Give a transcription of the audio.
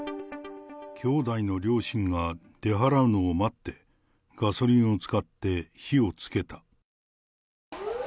兄弟の両親が出払うのを待って、ガソリンを使って火をつけた。